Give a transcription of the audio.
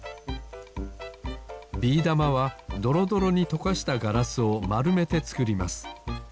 ビーだまはドロドロにとかしたガラスをまるめてつくります。